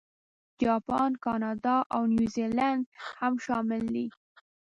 جاپان، کاناډا، او نیوزیلانډ هم شامل دي.